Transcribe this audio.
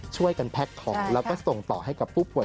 ช่วยกันแพ็กของแล้วก็ส่งต่อให้กับผู้ป่วย